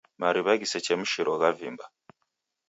Mariw'a ghisechemshiro ghavimba.